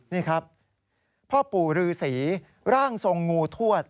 นี่ครับพ่อปู่ฤษีร่างทรงงูทวด